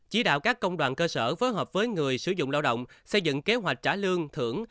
chỉ đạo các công đoàn cơ sở phối hợp với người sử dụng lao động xây dựng kế hoạch trả lương thưởng